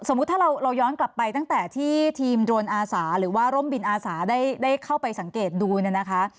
ถ้าเราย้อนกลับไปตั้งแต่ที่ทีมโดรนอาสาหรือว่าร่มบินอาสาได้เข้าไปสังเกตดูเนี่ยนะคะ